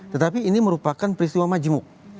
tetapi ini merupakan peristiwa majemuk